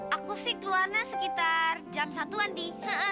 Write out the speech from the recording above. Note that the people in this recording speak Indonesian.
aku sih keluarnya sekitar jam satu an di